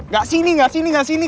gak sini gak sini gak sini